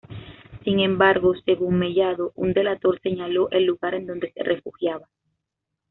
Sin embargo, según Mellado, un delator señaló el lugar en donde se refugiaba.